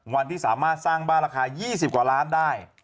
วันที่สามารถสร้างบ้านราคา๒๐กว่าล้านได้